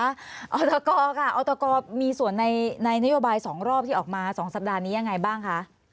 อาตกค่ะอตกมีส่วนในนโยบาย๒รอบที่ออกมา๒สัปดาห์นี้ยังไงบ้างคะ